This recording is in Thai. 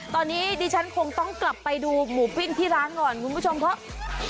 ตอนนี้ดิฉันคงต้องกลับไปดูหมูปิ้งที่ร้านก่อนคุณผู้ชมเพราะ